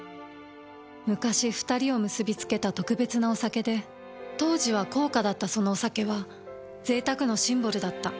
昔２人を結びつけた特別なお酒で当時は高価だったそのお酒は贅沢のシンボルだった。